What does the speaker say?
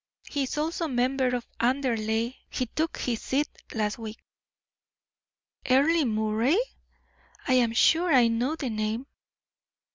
He is also member for Anderley he took his seat last week." "Earle Moray! I am sure I know the name."